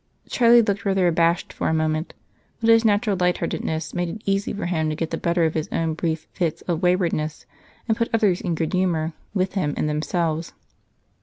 Charlie looked rather abashed for a moment, but his natural lightheartedness made it easy for him to get the better of his own brief fits of waywardness and put others in good humor with him and themselves.